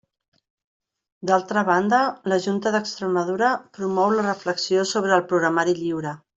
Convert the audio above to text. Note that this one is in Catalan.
D'altra banda, la Junta d'Extremadura promou la reflexió sobre el programari lliure.